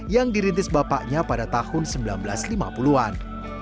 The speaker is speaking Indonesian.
yang dirintis bapaknya pada tahun seribu sembilan ratus lima puluh an